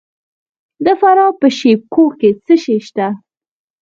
د فراه په شیب کوه کې څه شی شته؟